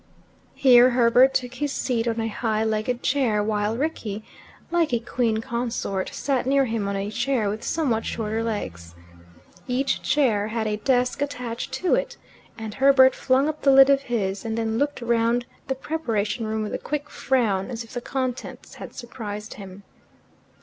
Here Herbert took his seat on a high legged chair, while Rickie, like a queen consort, sat near him on a chair with somewhat shorter legs. Each chair had a desk attached to it, and Herbert flung up the lid of his, and then looked round the preparation room with a quick frown, as if the contents had surprised him.